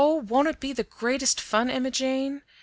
won't it be the greatest fun, Emma Jane?